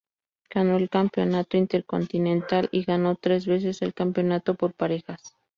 Ganó el Campeonato Intercontinental y ganó tres veces el Campeonato por Parejas.